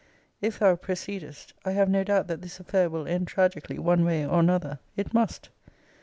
If thou proceedest, I have no doubt that this affair will end tragically, one way or another. It must.